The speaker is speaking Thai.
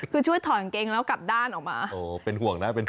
คือช่วยถอดอังเกงแล้วกลับด้านออกมาโอ้เป็นห่วงนะเป็นห่วง